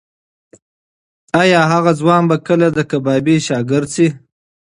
ایا هغه ځوان به کله د کبابي شاګرد شي؟